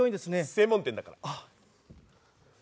専門店だから。